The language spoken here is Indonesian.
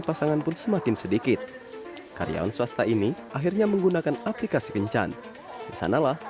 pasangan pun semakin sedikit karyawan swasta ini akhirnya menggunakan aplikasi kencan disanalah